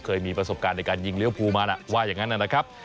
เคยมีประสบการณ์ในการยิงเลี้ยวภูมานะว่าอย่างนั้นนะครับ